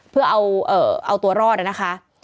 เพื่อเอาตัวรอดนะคะ